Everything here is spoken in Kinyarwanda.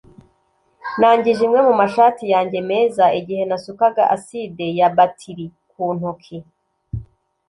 Nangije imwe mu mashati yanjye meza igihe nasukaga aside ya batiri ku ntoki